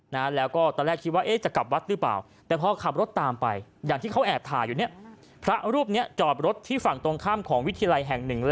พระครับรถตามไปแล้วพระรูปจะจอดรถที่ฝั่งตรงข้ามของวิทยาลัยแห่ง๑